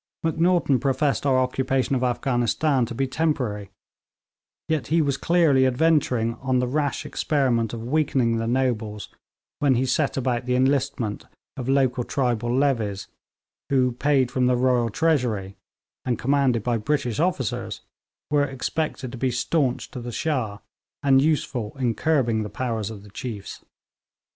Macnaghten professed our occupation of Afghanistan to be temporary; yet he was clearly adventuring on the rash experiment of weakening the nobles when he set about the enlistment of local tribal levies, who, paid from the Royal treasury and commanded by British officers, were expected to be staunch to the Shah, and useful in curbing the powers of the chiefs.